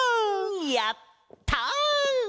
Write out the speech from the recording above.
やった！